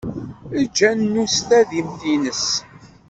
Eǧǧ anu s tadimt-nnes.